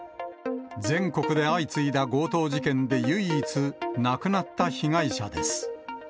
全国で相次いだ強盗事件で唯一、亡くなった被害者です。